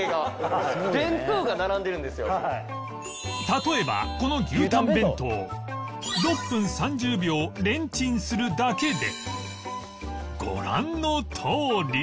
例えばこの牛タン弁当６分３０秒レンチンするだけでご覧のとおり